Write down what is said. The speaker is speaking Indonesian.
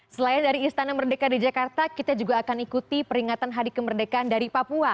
selain dari istana merdeka di jakarta kita juga akan ikuti peringatan hari kemerdekaan dari papua